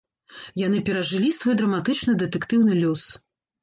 Яны перажылі свой драматычна-дэтэктыўны лёс.